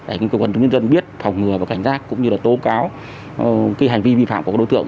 để cơ quan chúng dân biết phòng ngừa và cảnh giác cũng như là tố cáo hành vi vi phạm của đối tượng